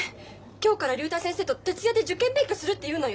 今日から竜太先生と徹夜で受験勉強するって言うのよ。